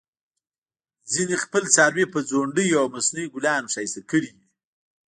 ځینې خپل څاروي په ځونډیو او مصنوعي ګلانو ښایسته کړي وي.